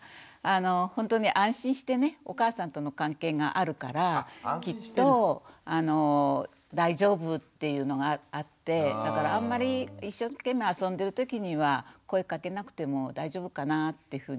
ほんとに安心してねお母さんとの関係があるからきっと大丈夫っていうのがあってだからあんまり一生懸命遊んでる時には声かけなくても大丈夫かなってふうには思いますね。